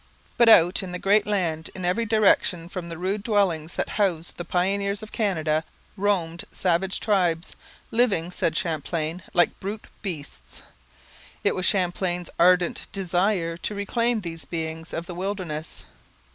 But out in the great land, in every direction from the rude dwellings that housed the pioneers of Canada, roamed savage tribes, living, said Champlain, 'like brute beasts.' It was Champlain's ardent desire to reclaim these beings of the wilderness.